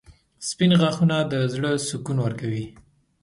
• سپین غاښونه د زړه سکون ورکوي.